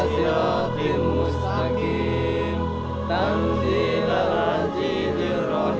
sebaiknya kita bantu ke tempat